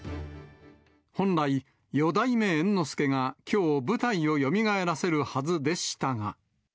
本来、四代目猿之助がきょう、舞台をよみがえらせるはずでしたが。